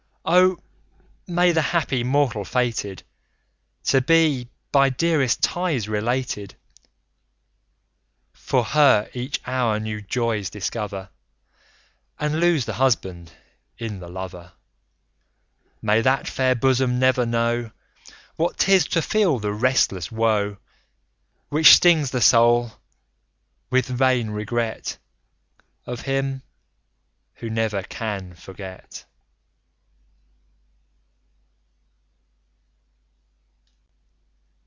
Oh! may the happy mortal, fated To be, by dearest ties, related, For her each hour, new joys discover, And lose the husband in the lover! May that fair bosom never know What 'tis to feel the restless woe, Which stings the soul, with vain regret, Of him, who never can forget!"